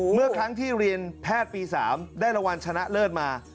เมื่อครั้งที่เรียนแพทย์ปี๓ได้รางวัลชนะเลิศมา